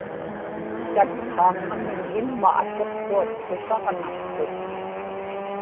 tatqaaŋŋamiñ imma atuqtuat tusaġnaqtut